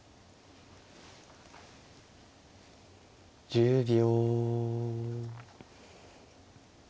１０秒。